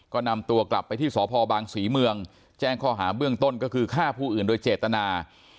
ก็นำตัวกลับไปที่สพบางศรีเมืองแจ้งข้อหาเบื้องต้นก็คือฆ่าผู้อื่นโดยเจตนา